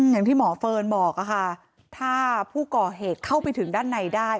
อย่างที่หมอเฟิร์นบอกค่ะถ้าผู้ก่อเหตุเข้าไปถึงด้านในได้